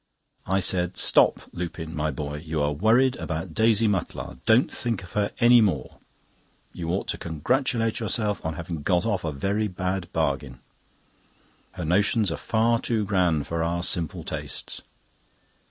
I said: "Stop, Lupin, my boy; you are worried about Daisy Mutlar. Don't think of her any more. You ought to congratulate yourself on having got off a very bad bargain. Her notions are far too grand for our simple tastes."